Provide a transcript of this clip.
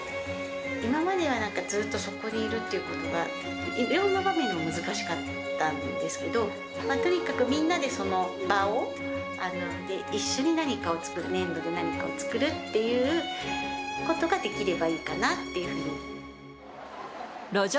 今まではなんか、ずっとそこにいるということが、いろんな場面で難しかったんですけど、とにかくみんなでその場を、一緒に何かを作る、粘土で何かを作るっていうことができればいい路上